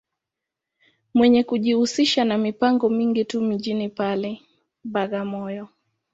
Mwenye kujihusisha ma mipango mingi tu mjini pale, Bagamoyo.